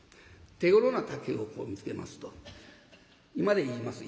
手ごろな竹を見つけますと今で言います